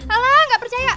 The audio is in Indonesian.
alah gak percaya